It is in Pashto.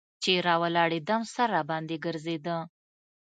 چې راولاړېدم سر راباندې ګرځېده.